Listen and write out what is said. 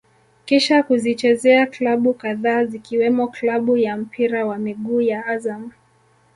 Kisha kuzichezea klabu kadhaa zikiwemo klabu ya mpira wa miguu ya Azam